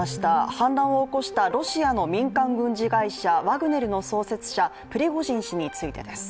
反乱を起こしたロシアの民間軍事会社ワグネルの創設者、プリゴジン氏についてです。